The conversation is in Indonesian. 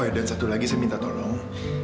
oh dan satu lagi saya minta tolong